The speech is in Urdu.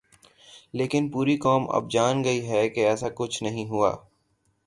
لیکن پوری قوم اب جان گئی ہے کہ ایسا کچھ نہیں ہوا۔